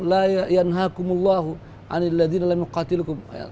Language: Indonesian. la ya'an ha'akumullahu anil ladina lamuqatilukum